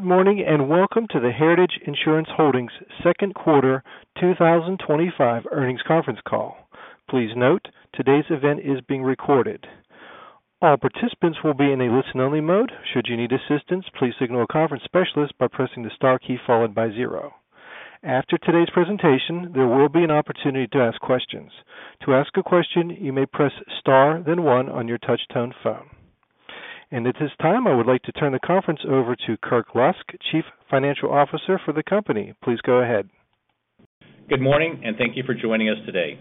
Good morning and welcome to the Heritage Insurance Holdings Second Quarter 2025 earnings conference call. Please note today's event is being recorded. All participants will be in a listen-only mode. Should you need assistance, please signal a conference specialist by pressing the star key followed by zero. After today's presentation, there will be an opportunity to ask questions. To ask a question, you may press star, then one, on your touch-tone phone. At this time, I would like to turn the conference over to Kirk Lusk, Chief Financial Officer for the company. Please go ahead. Good morning and thank you for joining us today.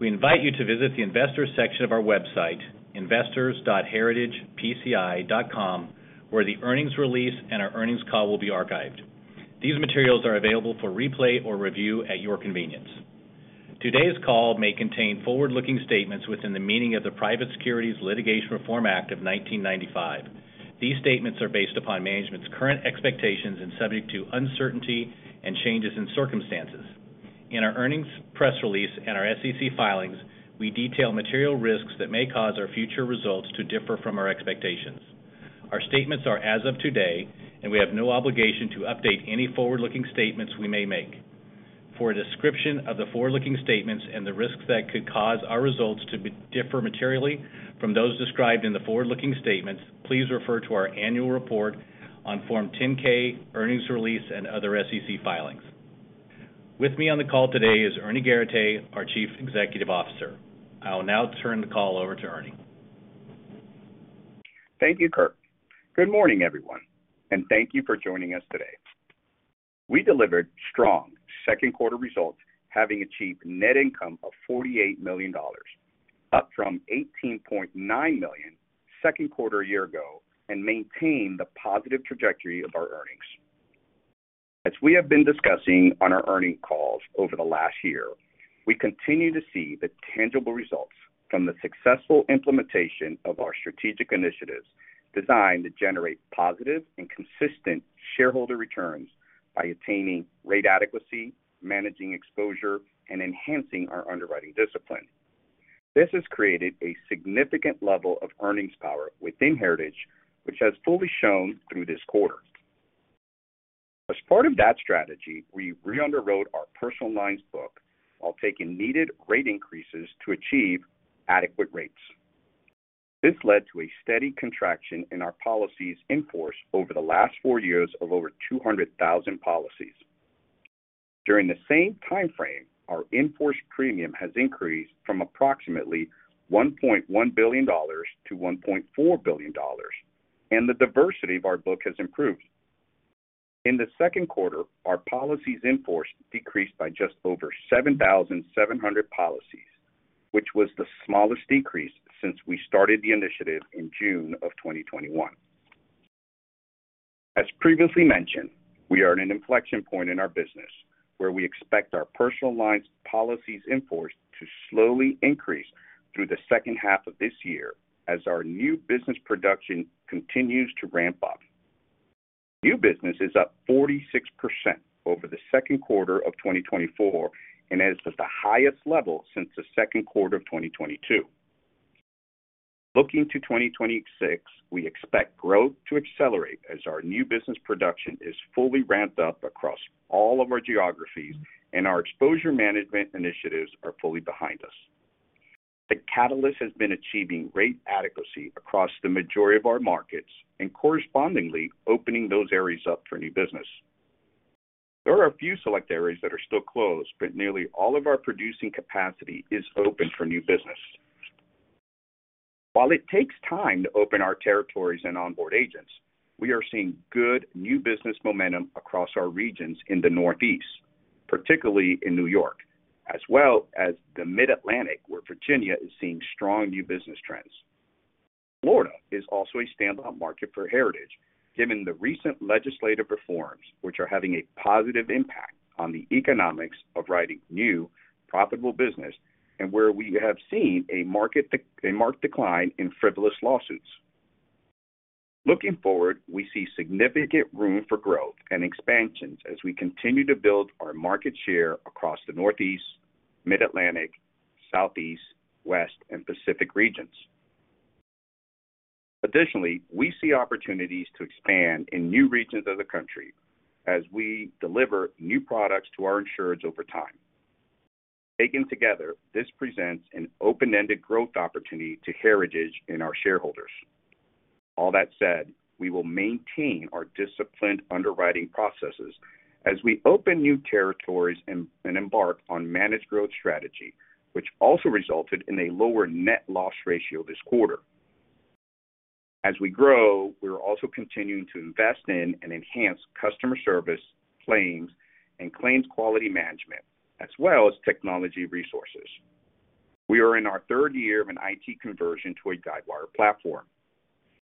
We invite you to visit the Investors section of our website, investors.heritagepci.com, where the earnings release and our earnings call will be archived. These materials are available for replay or review at your convenience. Today's call may contain forward-looking statements within the meaning of the Private Securities Litigation Reform Act of 1995. These statements are based upon management's current expectations and subject to uncertainty and changes in circumstances. In our earnings press release and our SEC filings, we detail material risks that may cause our future results to differ from our expectations. Our statements are as of today, and we have no obligation to update any forward-looking statements we may make. For a description of the forward-looking statements and the risks that could cause our results to differ materially from those described in the forward-looking statements, please refer to our annual report on Form 10-K, earnings release, and other SEC filings. With me on the call today is Ernie Garateix, our Chief Executive Officer. I will now turn the call over to Ernie. Thank you, Kirk. Good morning, everyone, and thank you for joining us today. We delivered strong second-quarter results, having achieved net income of $48 million, up from $18.9 million second quarter a year ago, and maintained the positive trajectory of our earnings. As we have been discussing on our earnings calls over the last year, we continue to see the tangible results from the successful implementation of our strategic initiatives designed to generate positive and consistent shareholder returns by attaining rate adequacy, managing exposure, and enhancing our underwriting discipline. This has created a significant level of earnings power within Heritage, which has fully shown through this quarter. As part of that strategy, we re-underwrote our personal lines book while taking needed rate increases to achieve adequate rates. This led to a steady contraction in our policies in force over the last four years of over 200,000 policies. During the same timeframe, our in force premium has increased from approximately $1.1 billion to $1.4 billion, and the diversity of our book has improved. In the second quarter, our policies in force decreased by just over 7,700 policies, which was the smallest decrease since we started the initiative in June of 2021. As previously mentioned, we are at an inflection point in our business, where we expect our personal lines policies in force to slowly increase through the second half of this year as our new business production continues to ramp up. New business is up 46% over the second quarter of 2024 and is at the highest level since the second quarter of 2022. Looking to 2026, we expect growth to accelerate as our new business production is fully ramped up across all of our geographies, and our exposure management initiatives are fully behind us. The catalyst has been achieving rate adequacy across the majority of our markets and correspondingly opening those areas up for new business. There are a few select areas that are still closed, but nearly all of our producing capacity is open for new business. While it takes time to open our territories and onboard agents, we are seeing good new business momentum across our regions in the Northeast, particularly in New York, as well as the Mid-Atlantic, where Virginia is seeing strong new business trends. Florida is also a standout market for Heritage, given the recent legislative reforms, which are having a positive impact on the economics of writing new, profitable business and where we have seen a marked decline in frivolous lawsuits. Looking forward, we see significant room for growth and expansions as we continue to build our market share across the Northeast, Mid-Atlantic, Southeast, West, and Pacific regions. Additionally, we see opportunities to expand in new regions of the country as we deliver new products to our insureds over time. Taken together, this presents an open-ended growth opportunity to Heritage and our shareholders. All that said, we will maintain our disciplined underwriting processes as we open new territories and embark on a managed growth strategy, which also resulted in a lower net loss ratio this quarter. As we grow, we are also continuing to invest in and enhance customer service, claims, and claims quality management, as well as technology resources. We are in our third year of an IT conversion to a Guidewire platform.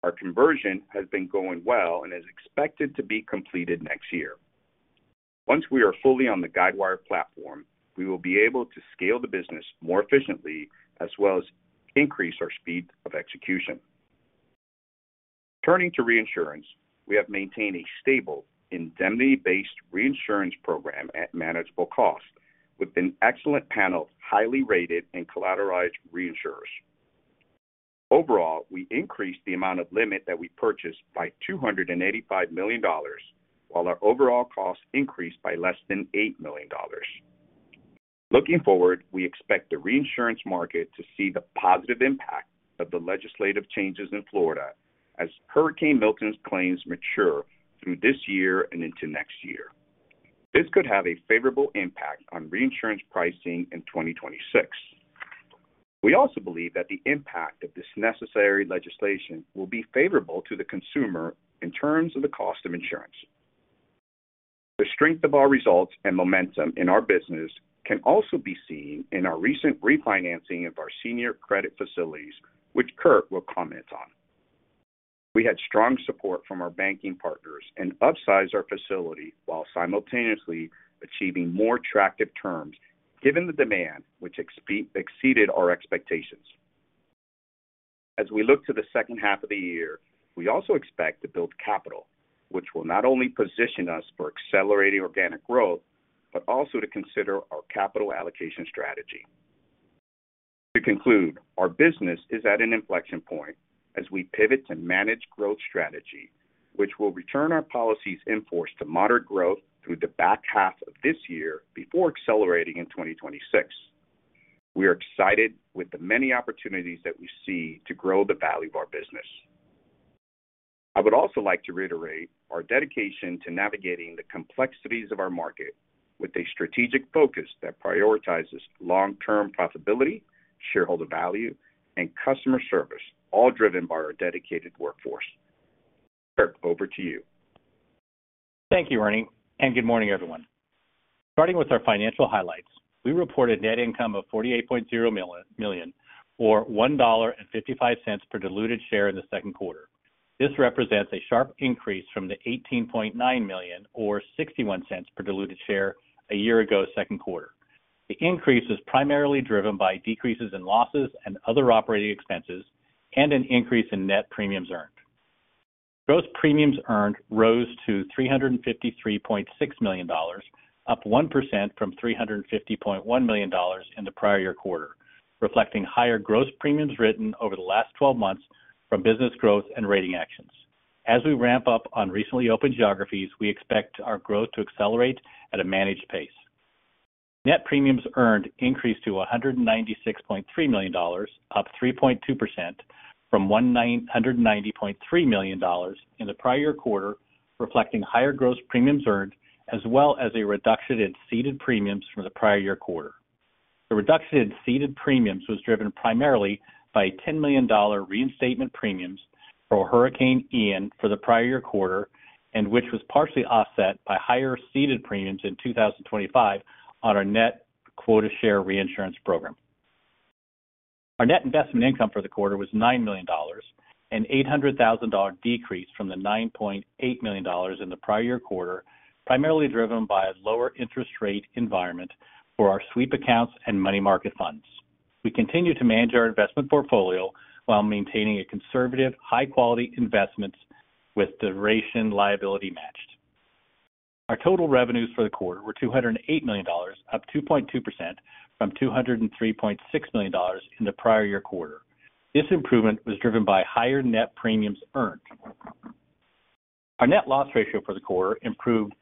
Our conversion has been going well and is expected to be completed next year. Once we are fully on the Guidewire platform, we will be able to scale the business more efficiently, as well as increase our speed of execution. Turning to reinsurance, we have maintained a stable, indemnity based reinsurance program at manageable costs with an excellent panel of highly rated and collateralized reinsurers. Overall, we increased the amount of limits that we purchased by $285 million, while our overall costs increased by less than $8 million. Looking forward, we expect the reinsurance market to see the positive impact of the legislative changes in Florida as Hurricane Milton's claims mature through this year and into next year. This could have a favorable impact on reinsurance pricing in 2026. We also believe that the impact of this necessary legislation will be favorable to the consumer in terms of the cost of insurance. The strength of our results and momentum in our business can also be seen in our recent refinancing of our senior credit facilities, which Kirk will comment on. We had strong support from our banking partners and upsized our facility while simultaneously achieving more attractive terms, given the demand which exceeded our expectations. As we look to the second half of the year, we also expect to build capital, which will not only position us for accelerating organic growth, but also to consider our capital allocation strategy. To conclude, our business is at an inflection point as we pivot to a managed growth strategy, which will return our policies in force to moderate growth through the back half of this year before accelerating in 2026. We are excited with the many opportunities that we see to grow the value of our business. I would also like to reiterate our dedication to navigating the complexities of our market with a strategic focus that prioritizes long-term profitability, shareholder value, and customer service, all driven by our dedicated workforce. Kirk, over to you. Thank you, Ernie, and good morning, everyone. Starting with our financial highlights, we reported net income of $48.0 million, or $1.55 per diluted share in the second quarter. This represents a sharp increase from the $18.9 million, or $0.61 per diluted share a year ago, second quarter. The increase was primarily driven by decreases in losses and other operating expenses and an increase in net premiums earned. Gross premiums earned rose to $353.6 million, up 1% from $350.1 million in the prior year quarter, reflecting higher gross premiums written over the last 12 months from business growth and rating actions. As we ramp up on recently opened geographies, we expect our growth to accelerate at a managed pace. Net premiums earned increased to $196.3 million, up 3.2% from $190.3 million in the prior year quarter, reflecting higher gross premiums earned, as well as a reduction in ceded premiums from the prior year quarter. The reduction in ceded premiums was driven primarily by $10 million reinstatement premiums for Hurricane Ian for the prior year quarter, which was partially offset by higher ceded premiums in 2025 on our net quota share reinsurance program. Our net investment income for the quarter was $9 million, an $800,000 decrease from the $9.8 million in the prior year quarter, primarily driven by a lower interest rate environment for our sweep accounts and money market funds. We continue to manage our investment portfolio while maintaining a conservative, high-quality investment with duration liability matched. Our total revenues for the quarter were $208 million, up 2.2% from $203.6 million in the prior year quarter. This improvement was driven by higher net premiums earned. Our net loss ratio for the quarter improved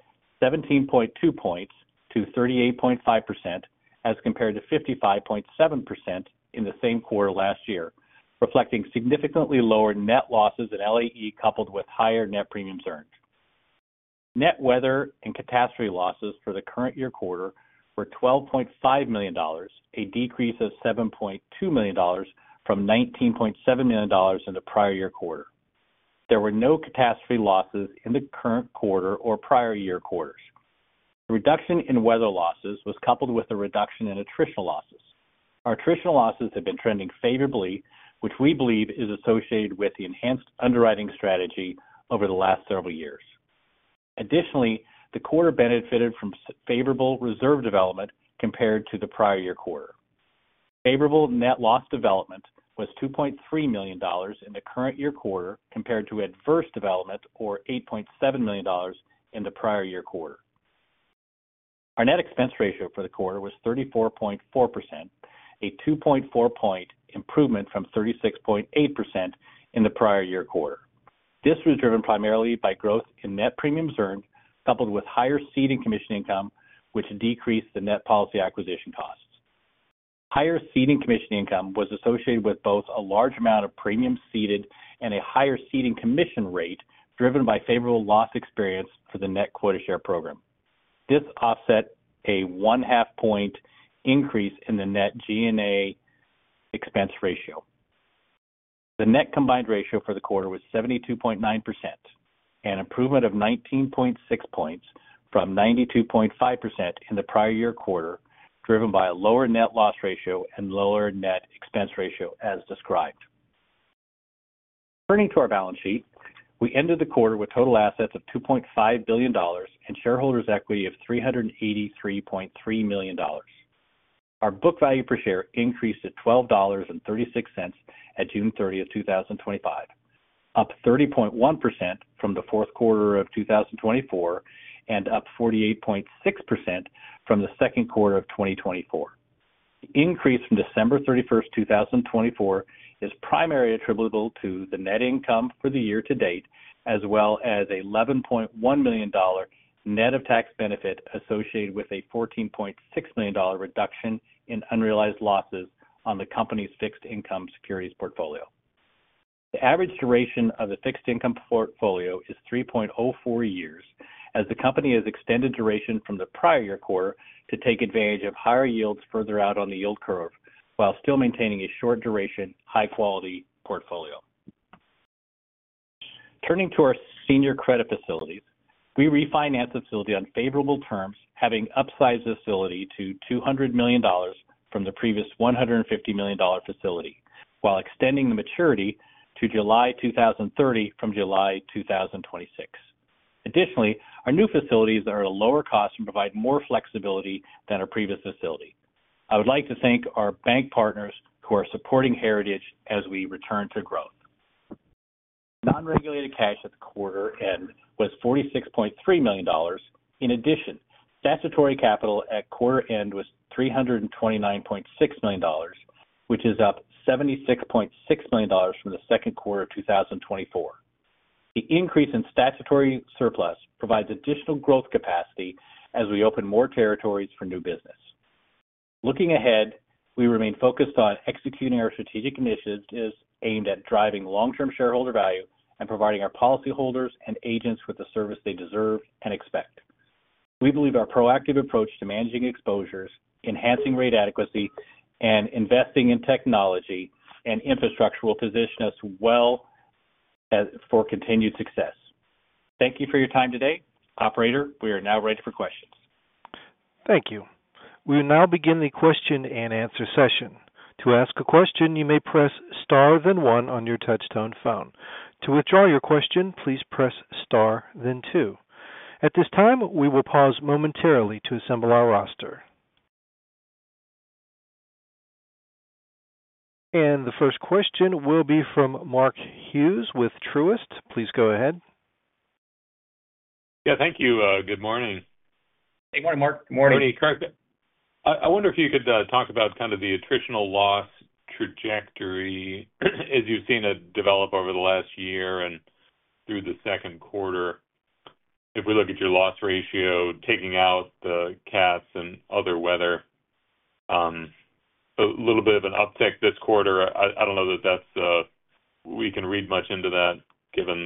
17.2 points to 38.5% as compared to 55.7% in the same quarter last year, reflecting significantly lower net losses in LAE coupled with higher net premiums earned. Net weather and catastrophe losses for the current year quarter were $12.5 million, a decrease of $7.2 million from $19.7 million in the prior year quarter. There were no catastrophe losses in the current quarter or prior year quarters. The reduction in weather losses was coupled with a reduction in attritional losses. Our attritional losses have been trending favorably, which we believe is associated with the enhanced underwriting strategy over the last several years. Additionally, the quarter benefited from favorable reserve development compared to the prior year quarter. Favorable net loss development was $2.3 million in the current year quarter compared to adverse development, or $8.7 million in the prior year quarter. Our net expense ratio for the quarter was 34.4%, a 2.4-point improvement from 36.8% in the prior year quarter. This was driven primarily by growth in net premiums earned, coupled with higher ceded and commission income, which decreased the net policy acquisition costs. Higher ceded and commission income was associated with both a large amount of premiums ceded and a higher ceded and commission rate driven by favorable loss experience for the net quota share program. This offset a one-half point increase in the net G&A expense ratio. The net combined ratio for the quarter was 72.9%, an improvement of 19.6 points from 92.5% in the prior year quarter, driven by a lower net loss ratio and lower net expense ratio as described. Turning to our balance sheet, we ended the quarter with total assets of $2.5 billion and shareholders' equity of $383.3 million. Our book value per share increased to $12.36 at June 30, 2025, up 30.1% from the fourth quarter of 2024 and up 48.6% from the second quarter of 2024. The increase from December 31, 2024, is primarily attributable to the net income for the year to date, as well as an $11.1 million net of tax benefit associated with a $14.6 million reduction in unrealized losses on the company's fixed income securities portfolio. The average duration of the fixed income portfolio is 3.04 years, as the company has extended duration from the prior year quarter to take advantage of higher yields further out on the yield curve while still maintaining a short duration, high-quality portfolio. Turning to our senior credit facilities, we refinanced the facility on favorable terms, having upsized the facility to $200 million from the previous $150 million facility, while extending the maturity to July 2030 from July 2026. Additionally, our new facilities are at a lower cost and provide more flexibility than our previous facility. I would like to thank our bank partners who are supporting Heritage as we return to growth. Non-regulated cash at the quarter end was $46.3 million. In addition, statutory capital at quarter end was $329.6 million, which is up $76.6 million from the second quarter of 2024. The increase in statutory surplus provides additional growth capacity as we open more territories for new business. Looking ahead, we remain focused on executing our strategic initiatives aimed at driving long-term shareholder value and providing our policyholders and agents with the service they deserve and expect. We believe our proactive approach to managing exposures, enhancing rate adequacy, and investing in technology and infrastructure will position us well for continued success. Thank you for your time today. Operator, we are now ready for questions. Thank you. We will now begin the question and answer session. To ask a question, you may press star, then one on your touch-tone phone. To withdraw your question, please press star, then two. At this time, we will pause momentarily to assemble our roster. The first question will be from Mark Hughes with Truist. Please go ahead. Yeah, thank you. Good morning. Good morning, Mark. Good morning. Morning, Kirk. I wonder if you could talk about kind of the attritional loss trajectory as you've seen it develop over the last year and through the second quarter. If we look at your loss ratio, taking out the cats and other weather, a little bit of an uptick this quarter. I don't know that we can read much into that given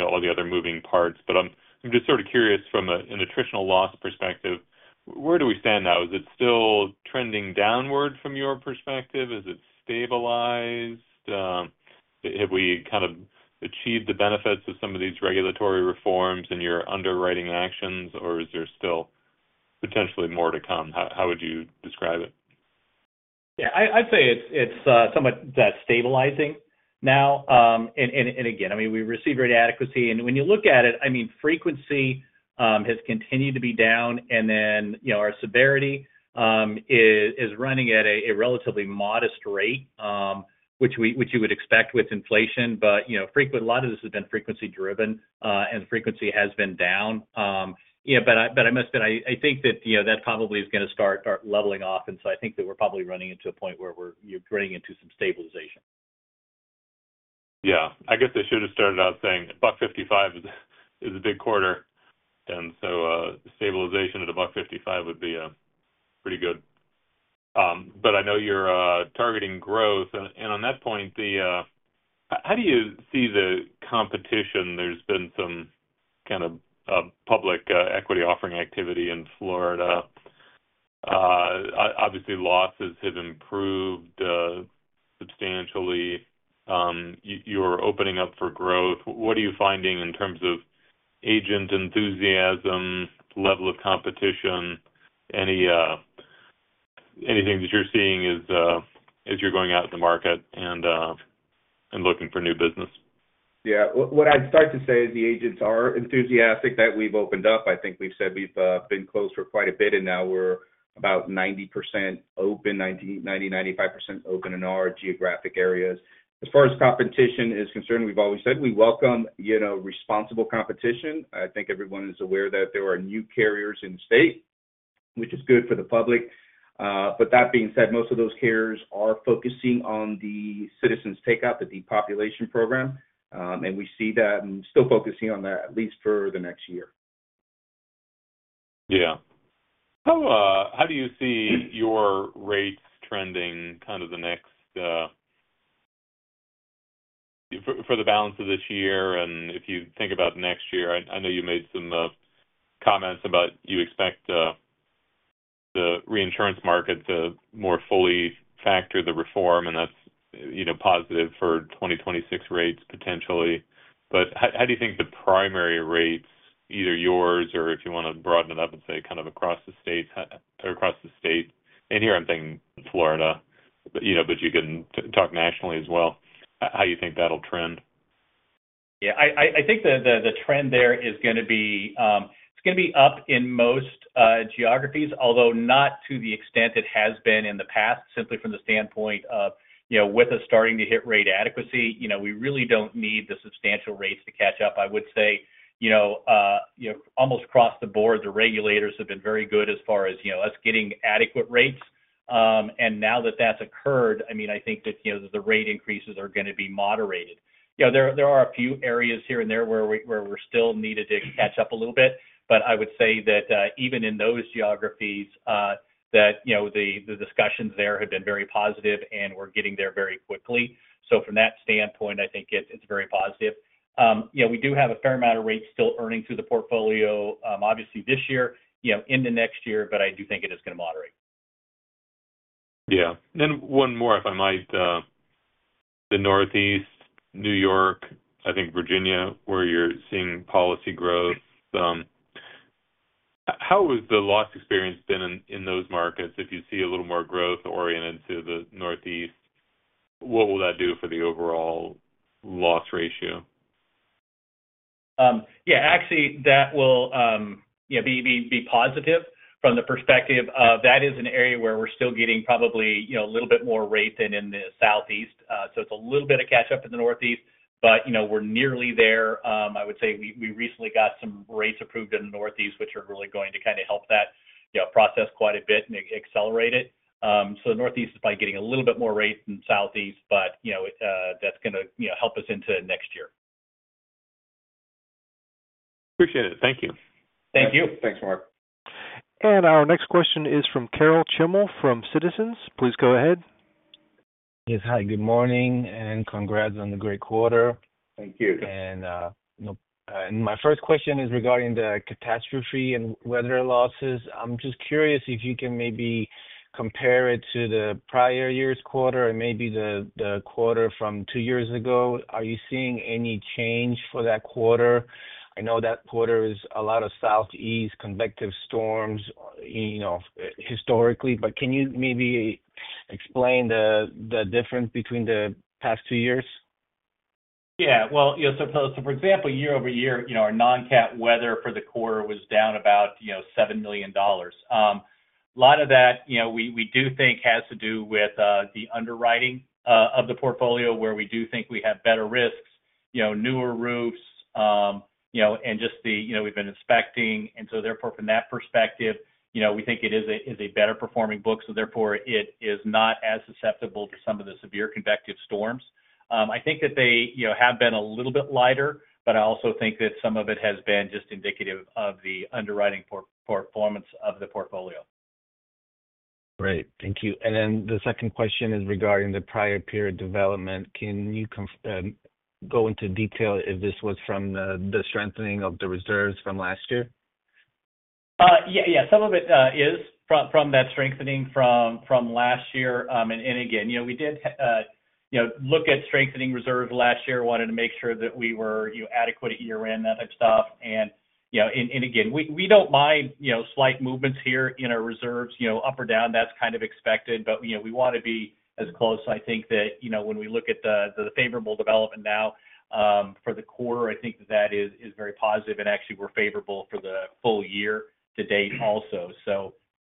all the other moving parts. I'm just sort of curious from an attritional loss perspective, where do we stand now? Is it still trending downward from your perspective? Is it stabilized? Have we kind of achieved the benefits of some of these regulatory reforms and your underwriting actions, or is there still potentially more to come? How would you describe it? Yeah, I'd say it's somewhat stabilizing now. I mean, we receive rate adequacy. When you look at it, frequency has continued to be down. Our severity is running at a relatively modest rate, which you would expect with inflation. A lot of this has been frequency-driven, and frequency has been down. I must admit, I think that probably is going to start leveling off. I think that we're probably running into a point where we're getting into some stabilization. I guess I should have started out saying $1.55 is a big quarter. Stabilization at $1.55 would be pretty good. I know you're targeting growth. On that point, how do you see the competition? There's been some kind of public equity offering activity in Florida. Obviously, losses have improved substantially. You're opening up for growth. What are you finding in terms of agent enthusiasm, level of competition? Anything that you're seeing as you're going out in the market and looking for new business? What I'd start to say is the agents are enthusiastic that we've opened up. I think we've said we've been closed for quite a bit, and now we're about 90% open, 90% to 95% open in our geographic areas. As far as competition is concerned, we've always said we welcome responsible competition. I think everyone is aware that there are new carriers in state, which is good for the public. That being said, most of those carriers are focusing on the Citizens take-out, the Depopulation Program. We see them still focusing on that at least for the next year. How do you see your rates trending for the balance of this year? If you think about next year, I know you made some comments about you expect the reinsurance market to more fully factor the reform, and that's positive for 2026 rates potentially. How do you think the primary rates, either yours or if you want to broaden it up and say across the states or across the state? Here I'm thinking Florida, but you can talk nationally as well. How do you think that'll trend? I think that the trend there is going to be, it's going to be up in most geographies, although not to the extent it has been in the past, simply from the standpoint of, you know, with us starting to hit rate adequacy, you know, we really don't need the substantial rates to catch up. I would say, you know, almost across the board, the regulators have been very good as far as, you know, us getting adequate rates. Now that that's occurred, I mean, I think that, you know, the rate increases are going to be moderated. There are a few areas here and there where we're still needed to catch up a little bit. I would say that even in those geographies, the discussions there have been very positive and we're getting there very quickly. From that standpoint, I think it's very positive. We do have a fair amount of rates still earning through the portfolio, obviously this year into next year, but I do think it is going to moderate. Yeah. One more, if I might, the Northeast, New York, I think Virginia, where you're seeing policy growth. How has the loss experience been in those markets? If you see a little more growth oriented to the Northeast, what will that do for the overall loss ratio? That will be positive from the perspective of that is an area where we're still getting probably a little bit more rate than in the Southeast. It's a little bit of catch-up in the Northeast, but we're nearly there. I would say we recently got some rates approved in the Northeast, which are really going to help that process quite a bit and accelerate it. The Northeast is probably getting a little bit more rates than the Southeast, but that's going to help us into next year. Appreciate it. Thank you. Thank you. Thanks, Mark. And our next question is from Karol Chmiel from Citizens. Please go ahead. Yes, hi. Good morning, and congrats on the great quarter. Thank you. My first question is regarding the catastrophe and weather losses. I'm just curious if you can maybe compare it to the prior year's quarter and maybe the quarter from two years ago. Are you seeing any change for that quarter? I know that quarter is a lot of Southeast convective storms, you know, historically, but can you maybe explain the difference between the past two years? For example, year-over-year, our non-cat weather for the quarter was down about $7 million. A lot of that, we do think, has to do with the underwriting of the portfolio where we do think we have better risks, newer roofs, and just the fact that we've been inspecting. Therefore, from that perspective, we think it is a better performing book. It is not as susceptible to some of the severe convective storms. I think that they have been a little bit lighter, but I also think that some of it has been just indicative of the underwriting performance of the portfolio. Great. Thank you. The second question is regarding the prior period development. Can you go into detail if this was from the strengthening of the reserves from last year? Yeah, some of it is from that strengthening from last year. Again, we did look at strengthening reserves last year, wanted to make sure that we were adequate at year-end, that type of stuff. We don't mind slight movements here in our reserves, up or down, that's kind of expected. We want to be as close. I think that when we look at the favorable development now for the quarter, I think that is very positive. Actually, we're favorable for the full year to date also.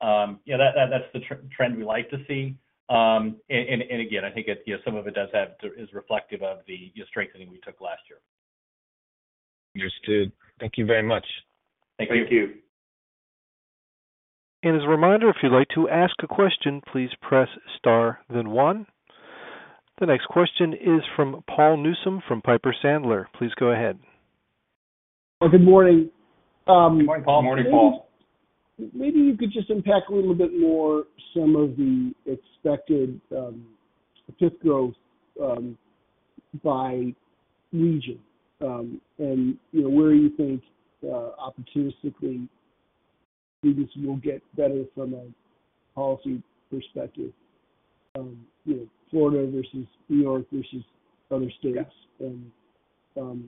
That's the trend we like to see. I think that some of it is reflective of the strengthening we took last year. Understood. Thank you very much. Thank you. Thank you. As a reminder, if you'd like to ask a question, please press star, then one. The next question is from Paul Newsome from Piper Sandler. Please go ahead. Oh, good morning. Morning, Paul. Morning, Paul. Maybe you could just unpack a little bit more some of the expected growth by region. You know, where you think opportunistically you'll get better from a policy perspective, you know, Florida versus New York versus other states. You know,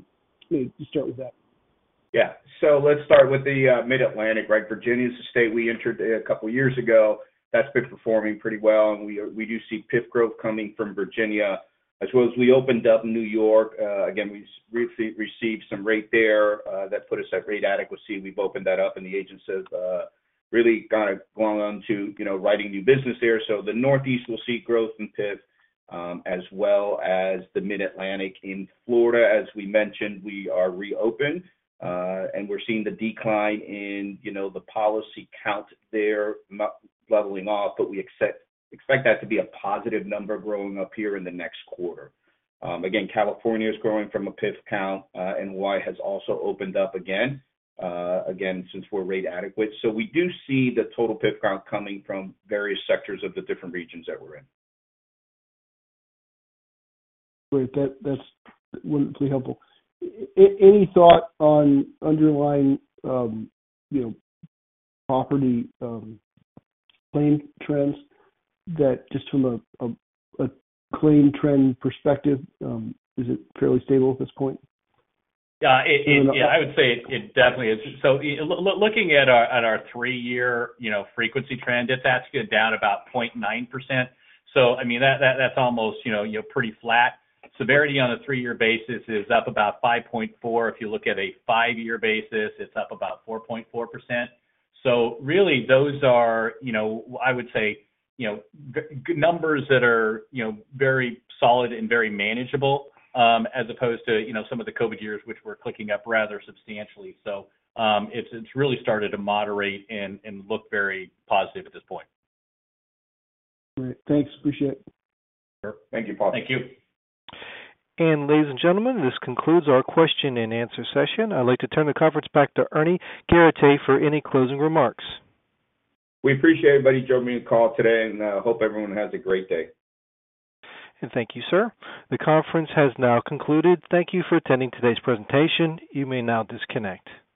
just start with that. Yeah. Let's start with the Mid-Atlantic, right? Virginia is the state we entered a couple of years ago. That's been performing pretty well. We do see PIF growth coming from Virginia, as well as we opened up New York. We received some rate there that put us at rate adequacy. We've opened that up and the agents have really kind of gone on to writing new business there. The Northeast will see growth in PIF, as well as the Mid-Atlantic in Florida. As we mentioned, we are reopened. We're seeing the decline in the policy count there leveling off, but we expect that to be a positive number growing up here in the next quarter. California is growing from a PIF count. N.Y. has also opened up again, since we're rate adequate. We do see the total PIF count coming from various sectors of the different regions that we're in. Great. That's really helpful. Any thought on underlying, you know, property claim trends that, just from a claim trend perspective, is it fairly stable at this point? Yeah, I would say it definitely is. Looking at our three-year frequency trend, it's actually down about 0.9%. That's almost pretty flat. Severity on a three-year basis is up about 5.4%. If you look at a five-year basis, it's up about 4.4%. Those are numbers that are very solid and very manageable, as opposed to some of the COVID years, which were clicking up rather substantially. It's really started to moderate and look very positive at this point. Great, thanks. Appreciate it. Sure. Thank you, Paul. Thank you. Ladies and gentlemen, this concludes our question and answer session. I'd like to turn the conference back to Ernie Garateix for any closing remarks. We appreciate everybody joining the call today, and I hope everyone has a great day. Thank you, sir. The conference has now concluded. Thank you for attending today's presentation. You may now disconnect.